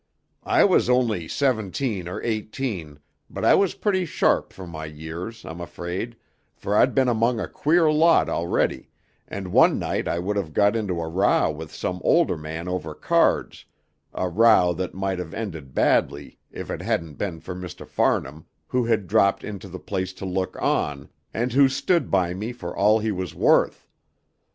I was only seventeen or eighteen, but I was pretty sharp for my years, I'm afraid, for I'd been among a queer lot already, and one night I would have got into a row with some older man over cards, a row that might have ended badly if it hadn't been for Mr. Farnham, who had dropped into the place to look on, and who stood by me for all he was worth.